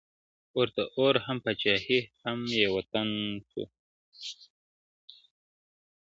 ورته اور هم پاچهي هم یې وطن سو.!